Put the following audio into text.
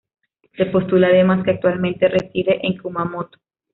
Se postula, además, que actualmente reside en Kumamoto.